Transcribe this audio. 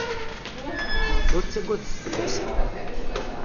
Ur ttaggadet fell-asen.